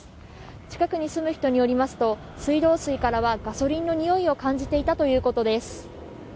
近くに住む人によりますと水道水からはガソリンのにおいを感じていたということです。